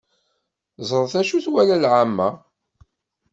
Ẓret acu twala lεamma.